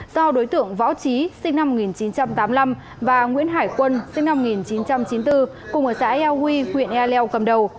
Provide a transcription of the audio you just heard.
do đối tượng võ trí sinh năm một nghìn chín trăm tám mươi năm và nguyễn hải quân sinh năm một nghìn chín trăm chín mươi bốn cùng ở xã ea huy huyện ea leo cầm đầu